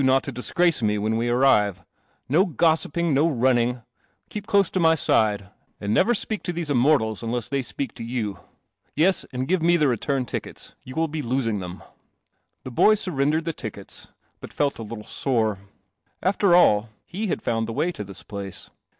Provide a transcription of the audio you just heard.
not t > disgrace me when we arrive. N iping. Norunnii Keepcl e to my side, and never speak t>> t! 77 THE CELESTIAL OMNIBUS Immortals unless they speak to you. Yes, and give me the return tickets. You will be losing them." The boy surrendered the tickets, but felt a little sore. After all, he had found the way to this place.